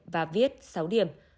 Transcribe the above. và viết sáu điểm